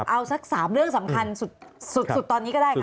เอาสัก๓เรื่องสำคัญสุดตอนนี้ก็ได้ค่ะ